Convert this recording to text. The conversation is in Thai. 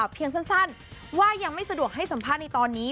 เพียงสั้นว่ายังไม่สะดวกให้สัมภาษณ์ในตอนนี้